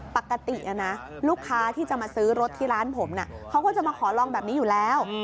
ปกตินะลูกค้าที่จะมาซื้อรถที่ร้านผมเขาก็จะมาขอลองแบบนี้อยู่แล้ว